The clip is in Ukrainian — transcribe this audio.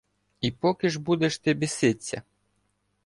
І поки ж будеш ти біситься?